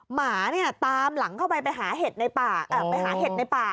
หมาเนี่ยตามหลังเข้าไปไปหาเห็ดในป่า